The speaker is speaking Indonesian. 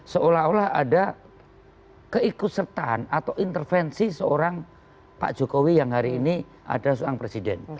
seolah olah ada keikutsertaan atau intervensi seorang pak jokowi yang hari ini adalah seorang presiden